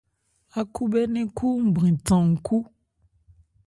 Ákhúbhɛ́nɛ́n khúúnbrɛn than nkhú.